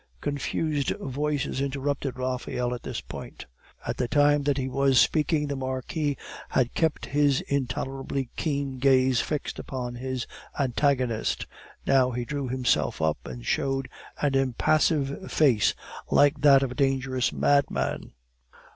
Confused voices interrupted Raphael at this point. All the time that he was speaking, the Marquis had kept his intolerably keen gaze fixed upon his antagonist; now he drew himself up and showed an impassive face, like that of a dangerous madman.